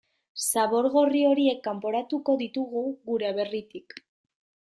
Zabor gorri horiek kanporatuko ditugu gure aberritik.